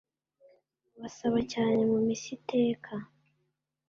Basaba cyane mu misa iteka